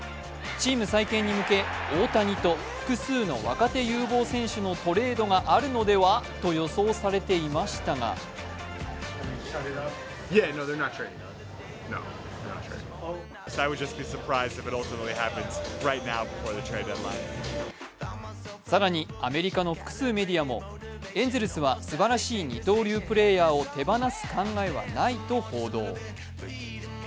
チーム再建に向け大谷と複数の若手有望選手のトレードがあるのではと予想されていましたが更に、アメリカの複数メディアも、エンゼルスはすばらしい二刀流プレーヤーを手放す考えはないと報道。